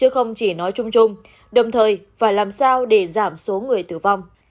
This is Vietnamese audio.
không chỉ nói chung chung đồng thời phải làm sao để giảm số người tử vong